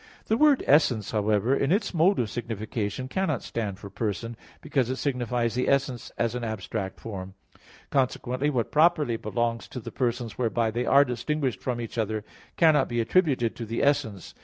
4). The word "essence," however, in its mode of signification, cannot stand for Person, because it signifies the essence as an abstract form. Consequently, what properly belongs to the persons whereby they are distinguished from each other, cannot be attributed to the essence.